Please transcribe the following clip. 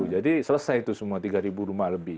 jadi selesai itu semua tiga rumah lebih